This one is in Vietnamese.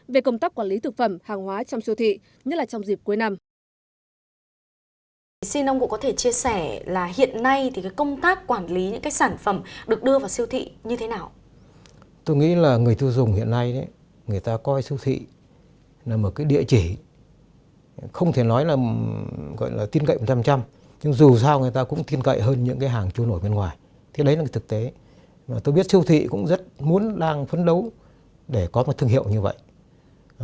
về công tác quản lý thực phẩm hàng hóa trong siêu thị nhất là trong dịp cuối năm